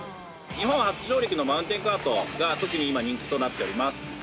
日本初上陸のマウンテンカートが特に今、人気となっています。